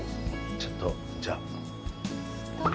ちょっと、じゃあ。